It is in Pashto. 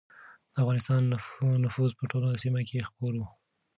د افغانستان نفوذ په ټوله سیمه کې خپور و.